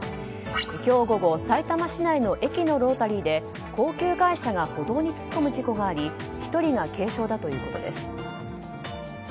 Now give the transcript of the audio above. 今日午後さいたま市内の駅のロータリーで高級外車が歩道に突っ込む事故があり１人が軽傷だということです。